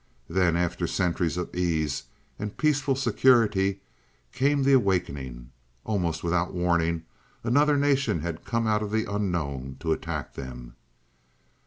"Then, after centuries of ease and peaceful security, came the awakening. Almost without warning another nation had come out of the unknown to attack them.